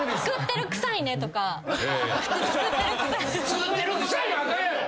作ってるくさいはあかんやろ！